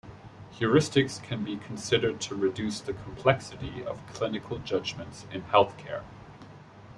Heuristics can be considered to reduce the complexity of clinical judgements in healthcare.